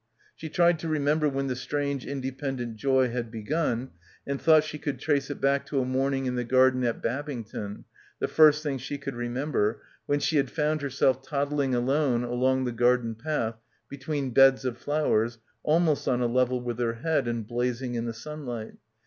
She tried to remember when the strange in dependent joy had begun and thought she could trace it back to a morning in the garden at Bab ington, the first thing she could remember, when she had found herself toddling alone along the garden path between beds of flowers almost on a level with her head and blazing in the sunlight.